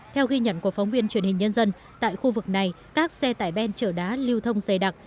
theo ghi nhận của phóng viên truyền hình nhân dân tại khu vực này các xe tải ben chở đá lưu thông dày đặc